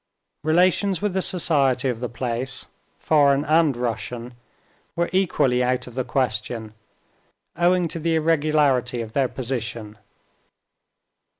Relations with the society of the place—foreign and Russian—were equally out of the question owing to the irregularity of their position.